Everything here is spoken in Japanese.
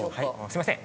すみません。